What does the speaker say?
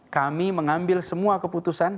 kami mengambil semua keputusan